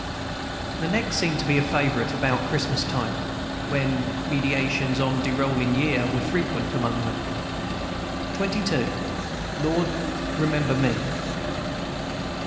The next seemed to be a favorite about Christmas time, when meditations on "de rollin' year" were frequent among them. XXII. LORD, REMEMBER ME.